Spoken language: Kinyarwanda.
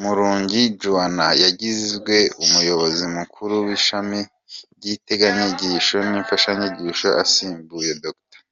Murungi Joan yagizwe Umuyobozi Mukuru w’Ishami ry’Integanyanyigisho n’Imfashanyigisho asimbuye Dr.